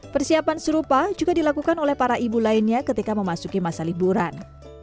persiapan serupa juga dilakukan oleh para ibu lainnya ketika memasuki masa liburan